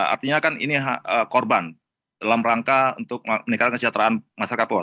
artinya kan ini korban dalam rangka untuk meningkatkan kesejahteraan masyarakat polri